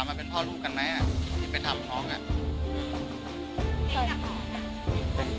ที่ไปทำห้องอ่ะ